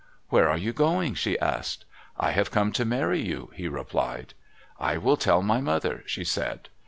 "Where are you going?" she asked. "I have come to marry you," he replied. "I will tell my mother," she said.